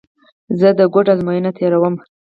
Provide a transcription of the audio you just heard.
زه د کوډ ازموینه تېره ووم.